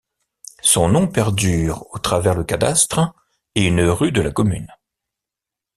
Son nom perdure au travers le cadastre et une rue de la commune.